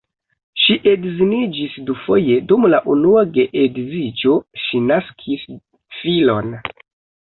Ŝi edziniĝis dufoje, dum la unua geedziĝo ŝi naskis filon.